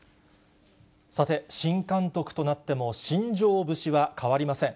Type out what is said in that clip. さて、新監督となっても新庄節は変わりません。